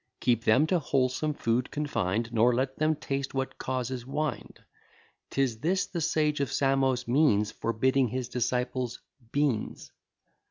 Keep them to wholesome food confin'd, Nor let them taste what causes wind: 'Tis this the sage of Samos means, Forbidding his disciples beans.